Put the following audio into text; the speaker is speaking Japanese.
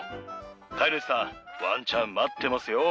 飼い主さん、わんちゃん待ってますよ。